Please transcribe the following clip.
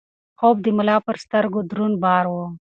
خوب د ملا پر سترګو دروند بار و.